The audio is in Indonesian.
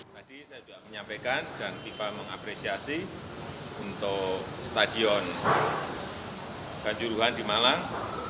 tadi saya juga menyampaikan dan fifa mengapresiasi untuk stadion kanjuruhan di malang